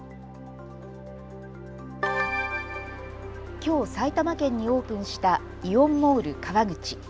きょう埼玉県にオープンしたイオンモール川口。